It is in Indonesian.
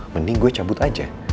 mending gue cabut aja